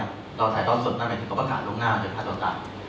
เราถ่ายตอดสดได้ไหมเขาก็ขาดลงหน้าว่าจะฆ่าตัวตาย